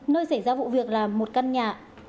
nơi xảy ra vụ việc là một căn nhà